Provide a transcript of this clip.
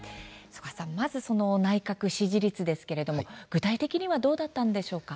まず、その内閣支持率ですけれども具体的にはどうだったんでしょうか。